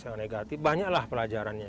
yang negatif banyaklah pelajarannya